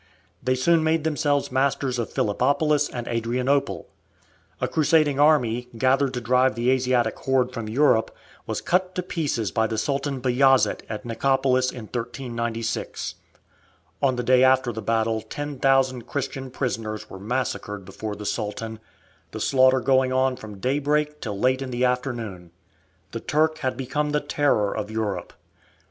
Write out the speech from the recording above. They soon made themselves masters of Philippopolis and Adrianople. A crusading army, gathered to drive the Asiatic horde from Europe, was cut to pieces by the Sultan Bajazet at Nicopolis in 1396. On the day after the battle ten thousand Christian prisoners were massacred before the Sultan, the slaughter going on from daybreak till late in the afternoon. The Turk had become the terror of Europe.